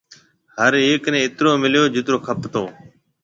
ھر ھيَََڪ نَي اِترو مِليو جِترو کَپتو۔